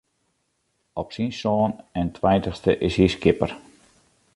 Op syn sân en tweintichste is hy skipper.